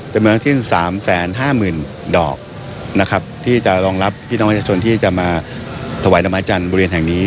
จำรองรับผู้ชายที่จะรวมรับพี่น้องประชาชนที่จะมาถอายดอกไม้จันทร์